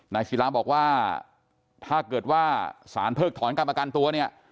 นายศิราบอกว่าถ้าเกิดว่าศาลเพิกถอนการประกันตัว